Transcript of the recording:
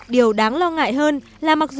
điều đáng lo ngại hơn là mặc dù